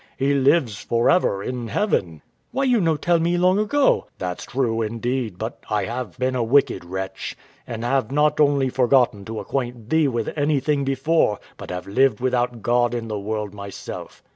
He lives for ever in heaven. Wife. Why you no tell me long ago? W.A. That's true, indeed; but I have been a wicked wretch, and have not only forgotten to acquaint thee with anything before, but have lived without God in the world myself.